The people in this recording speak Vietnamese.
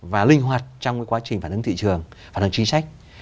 và linh hoạt trong quá trình phản ứng thị trường phản ứng chính sách